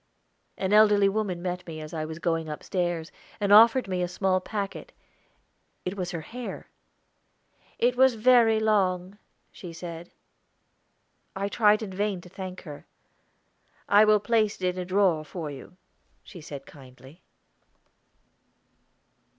An elderly woman met me as I was going upstairs, and offered me a small packet; it was her hair. "It was very long," she said. I tried in vain to thank her. "I will place it in a drawer for you," she said kindly.